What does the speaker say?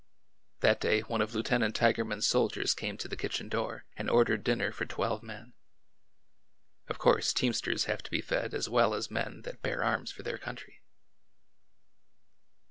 That day one of Lieutenant Tigerman's soldiers came to the kitchen door and ordered dinner for twelve men. (Of course teamsters have to be fed as well as men that bear arms for their country.)